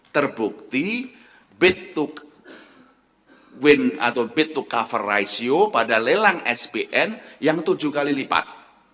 terbukti back to wind atau bad to cover ratio pada lelang spn yang tujuh kali lipat